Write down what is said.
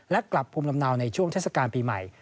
และกลับภูมิลำเนาในช่วงเทศกาลปีใหม่